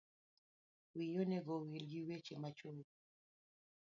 Wiyi onego owil giweche machongo